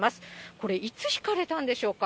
これ、いつ引かれたんでしょうか。